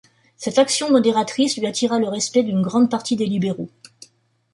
Cette action modératrice lui attira le respect d'une grande partie des libéraux.